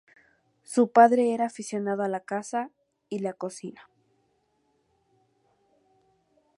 Su padre era aficionado a la caza y la cocina.